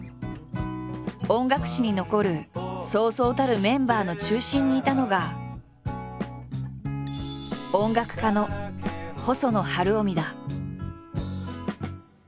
音楽史に残るそうそうたるメンバーの中心にいたのが音楽家の細野晴臣だ。